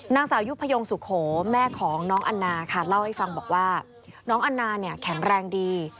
นางสาวยุพยงสุโขแม่ของน้องอันนาค่ะเล่าให้ฟังบอกว่าน้องอันนาเนี่ยแข็งแรงดี